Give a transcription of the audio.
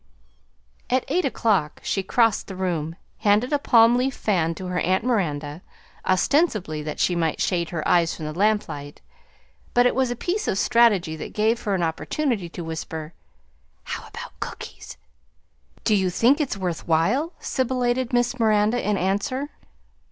At eight o'clock she crossed the room, handed a palm leaf fan to her aunt Miranda, ostensibly that she might shade her eyes from the lamplight; but it was a piece of strategy that gave her an opportunity to whisper, "How about cookies?" "Do you think it's worth while?" sibilated Miss Miranda in answer.